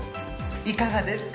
いかがですか？